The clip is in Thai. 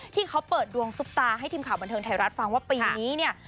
ที่เขาเปิดดวงซุปตาให้ทีมข่าวบันเทิงไทยรัฐฟังว่าปีนี้เนี่ย